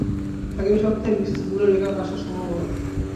আগামী সপ্তাহে মিসেস বুলের এখানে আসার সম্ভাবনা।